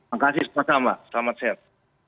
oke terima kasih selamat siang